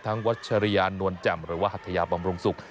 วัชริยานวลแจ่มหรือว่าหัทยาบำรุงศุกร์